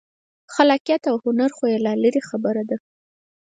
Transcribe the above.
خلاقیت او هنر خو یې لا لرې خبره ده.